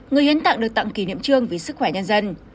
người hiến tặng được tặng kỷ niệm trương vì sức khỏe nhân dân